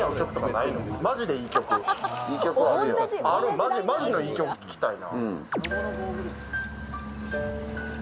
マジのいい曲聴きたいな。